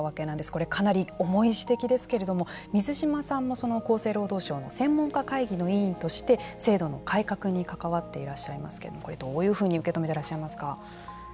これ、かなり重い指摘ですけれども水島さんも厚生労働省の専門家会議の委員として制度の改革に関わっていらっしゃいますけれどもこれ、どういうふうに受け止めていらっしゃいますか。